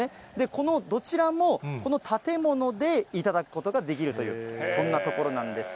このどちらもこの建物で頂くことができるという、そんな所なんです。